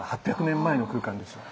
８００年前の空間ですよ。